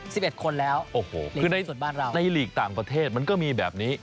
สิบเอ็ดคนแล้วโอ้โหคือในส่วนบ้านเราในหลีกต่างประเทศมันก็มีแบบนี้